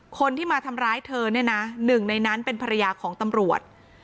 คนที่มาทำร้ายเธอเนี่ยนะหนึ่งในนั้นเป็นภรรยาของตำรวจ